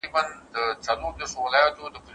پیغامونه خوندي ساتل شوي دي.